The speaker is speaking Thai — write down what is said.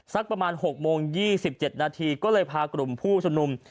สักประมาณ๖โมง๒๗นาทีก็เลยพากลุ่มผู้ชมนุม